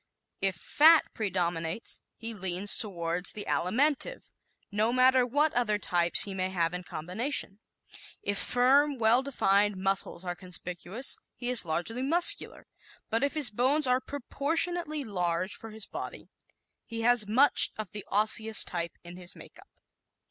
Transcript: If fat predominates he leans toward the Alimentive, no matter what other types he may have in combination; if firm, well defined muscles are conspicuous, he is largely Muscular; but if his bones are proportionately large for his body he has much of the Osseous type in his makeup.